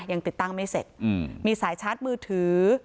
ยังติดตั้งไม่เสร็จมีสายชาร์จมือถือ